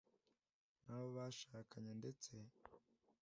na bo bashakanye ndetse